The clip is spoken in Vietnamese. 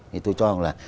thì tôi cho rằng là